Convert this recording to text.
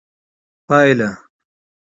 پايله